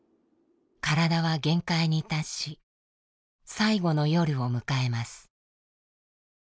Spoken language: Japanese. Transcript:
体は限界に達し最後の夜を迎えます。